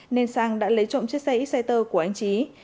nên sang đã lấy trộm chiếc xe ít xe tơ của anh trí